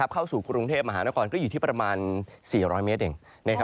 เข้าสู่กรุงเทพมหานครก็อยู่ที่ประมาณ๔๐๐เมตรเอง